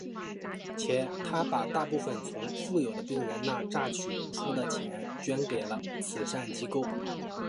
且他把大部分从富有的病人那榨取出的钱捐给了慈善机构。